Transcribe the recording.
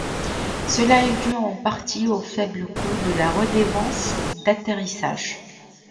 Cela est dû en partie au faible coût de la redevance d'atterrissage.